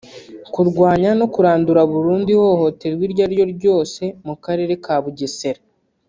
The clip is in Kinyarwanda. kurwanya no kurandura burundu ihohoterwa iryo ari ryo ryose mu Karere ka Bugesera